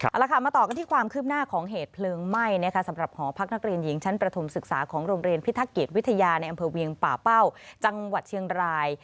เอาละค่ะมาต่อกันที่ความคืบหน้าของเหตุเพลิงไหม้นะคะสำหรับหอพักนักเรียนหญิงชั้นประถมศึกษาของโรงเรียนพิทักเกียจวิทยาในอำเภอเวียงป่าเป้าจังหวัดเชียงราย